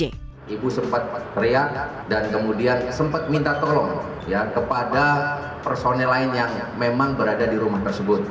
ibu sempat teriak dan kemudian sempat minta tolong kepada personil lain yang memang berada di rumah tersebut